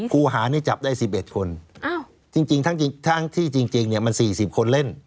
ครูหานี่จับได้๑๑คนจริงทั้งที่จริงเนี่ยมัน๔๐คนเล่น